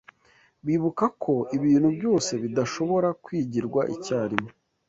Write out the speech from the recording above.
bibuka ko ibintu byose bidashobora kwigirwa icyarimwe